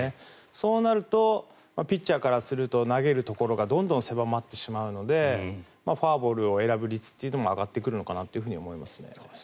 そうなるとピッチャーからすると投げるところがどんどん狭まってしまうのでフォアボールを選ぶ率も上がってくるのかなと思います。